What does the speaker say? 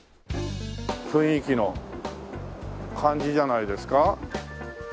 雰囲気の感じじゃないですか？